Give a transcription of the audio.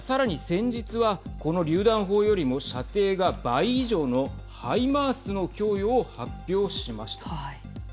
先日はこの、りゅう弾砲よりも射程が倍以上のハイマースの供与を発表しました。